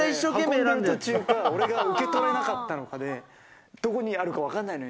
運んでる途中か俺が受け取れなかったかで、どこにあるかわかんないのよ。